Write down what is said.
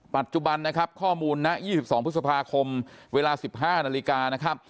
ปัจจุบันข้อมูล๒๒พฤษภาคมเวลา๑๕นาฬิกา